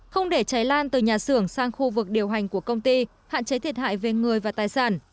không để cháy lan từ nhà xưởng sang khu vực điều hành của công ty hạn chế thiệt hại về người và tài sản